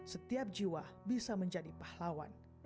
setiap jiwa bisa menjadi pahlawan